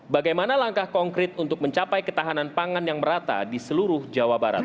bagaimana langkah konkret untuk mencapai ketahanan pangan yang merata di seluruh jawa barat